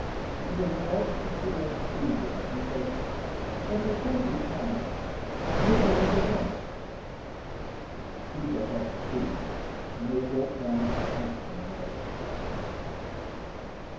With a revulsion towards breeding, she said, 'They're most awfully kind.... Here's where I get off.' He got off too, and they walked down Upper Clapton Road.